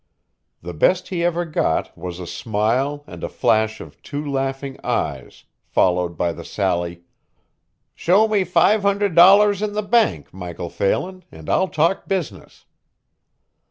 The best he ever got was a smile and a flash of two laughing eyes, followed by the sally: "Show me $500 in the bank, Michael Phelan, and I'll talk business."